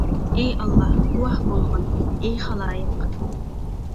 ئى ئاللا گۇۋاھ بولغىن، ئى خالايىق!